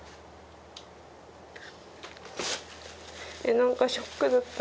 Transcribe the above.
なんかショックだった。